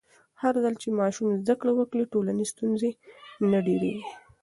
هرځل چې ماشوم زده کړه وکړي، ټولنیز ستونزې نه ډېرېږي.